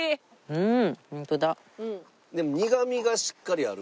うん。